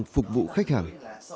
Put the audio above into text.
phục vụ khách hàng